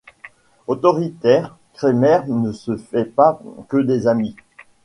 Autoritaire, Kremer ne se fait pas que des amis.